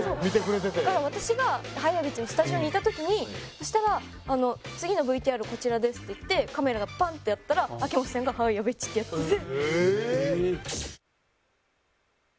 だから私が「ハーイ！やべっち」のスタジオにいた時にそしたら次のＶＴＲこちらですって言ってカメラがパンッてやったら秋元さんが「ハーイ！やべっち」ってやってて。